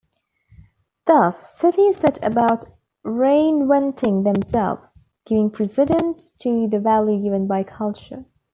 Thus cities set about "reinventing themselves", giving precedence to the value given by culture.